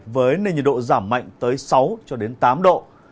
với nền nhiệt độ giảm mạnh tới sáu tám độ